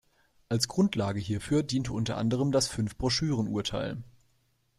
Als Grundlage hierfür diente unter anderem das Fünf-Broschüren-Urteil.